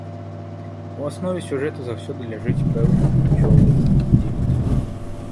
У аснове сюжэту заўсёды ляжыць пэўны жыццёвы канфлікт.